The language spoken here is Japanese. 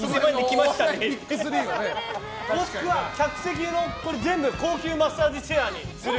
もしくは客席を全部高級マッサージチェアにする。